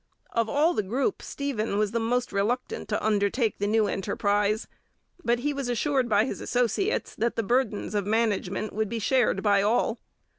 Of all the group Stephen was most reluctant to undertake the new enterprise, but he was assured by his associates that the burdens of management would be shared by all.